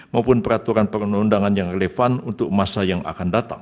maupun peraturan perundangan yang relevan untuk masa yang akan datang